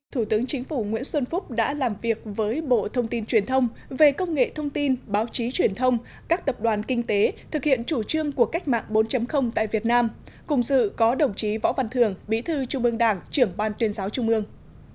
thủ tướng chính phủ nguyễn xuân phúc đã làm việc với bộ thông tin truyền thông về công nghệ thông tin báo chí truyền thông các tập đoàn kinh tế thực hiện chủ trương của cách mạng bốn tại việt nam cùng dự có đồng chí võ văn thường bí thư trung ương đảng trưởng ban tuyên giáo trung ương